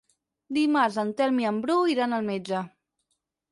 Dimarts en Telm i en Bru iran al metge.